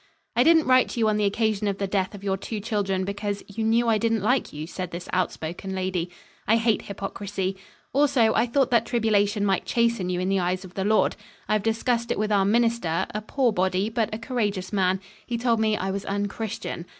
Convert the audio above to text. "I didn't write to you on the occasion of the death of your two children because you knew I didn't like you," said this outspoken lady. "I hate hypocrisy. Also I thought that tribulation might chasten you in the eyes of the Lord. I've discussed it with our Minister, a poor body, but a courageous man. He told me I was unchristian.